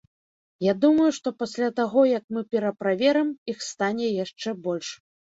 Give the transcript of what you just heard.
Я думаю, што пасля таго як мы пераправерым, іх стане яшчэ больш.